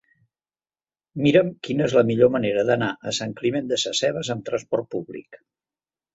Mira'm quina és la millor manera d'anar a Sant Climent Sescebes amb trasport públic.